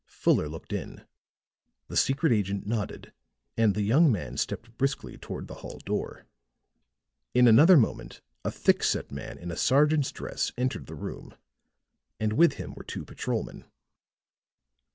Fuller looked in; the secret agent nodded and the young man stepped briskly toward the hall door. In another moment a thick set man in a sergeant's dress entered the room, and with him were two patrolmen.